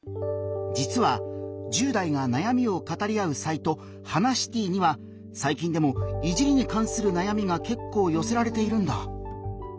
実は１０代がなやみを語り合うサイト「ハナシティ」にはさい近でも「いじり」にかんするなやみが結構よせられているんだ。